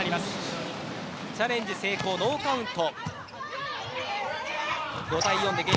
チャレンジ成功ノーカウント。